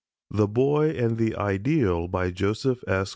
THE BOY AND THE IDEAL JOSEPH S.